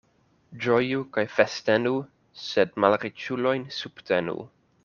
Ĝoju kaj festenu, sed malriĉulojn subtenu.